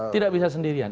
tidak bisa sendirian